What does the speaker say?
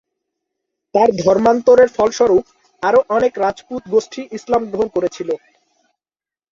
তাঁর ধর্মান্তরের ফলস্বরূপ, আরও অনেক রাজপুত গোষ্ঠী ইসলাম গ্রহণ করেছিল।